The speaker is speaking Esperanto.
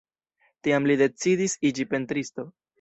Tiam li decidis iĝi pentristo.